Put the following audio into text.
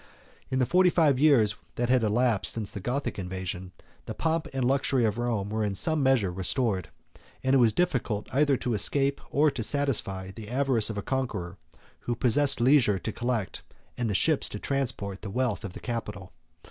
In the forty five years that had elapsed since the Gothic invasion, the pomp and luxury of Rome were in some measure restored; and it was difficult either to escape, or to satisfy, the avarice of a conqueror, who possessed leisure to collect, and ships to transport, the wealth of the capital.